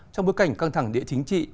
trong bối cảnh căng thẳng địa chính trị